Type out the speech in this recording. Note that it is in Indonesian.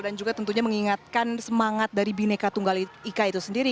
dan juga tentunya mengingatkan semangat dari bhinneka tunggal ika itu sendiri